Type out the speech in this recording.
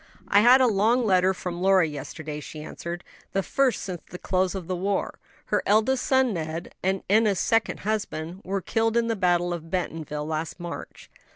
"I had a long letter from Lora yesterday;" she answered; "the first since the close of the war. Her eldest son, Ned, and Enna's second husband, were killed in the battle of Bentonville, last March.